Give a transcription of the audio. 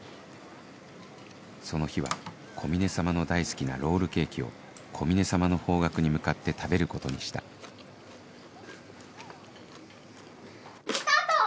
その日は小峰様の大好きなロールケーキを小峰様の方角に向かって食べることにしたスタート！